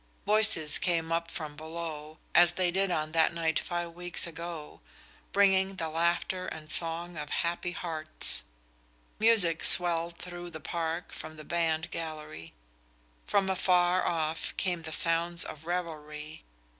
Voices came up from below, as they did on that night five weeks ago, bringing the laughter and song of happy hearts. Music swelled through the park from the band gallery; from afar off came the sounds of revelry.